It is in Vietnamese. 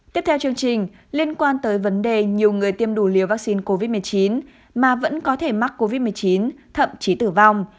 tiếp theo chương trình liên quan tới vấn đề nhiều người tiêm đủ liều vaccine covid một mươi chín mà vẫn có thể mắc covid một mươi chín thậm chí tử vong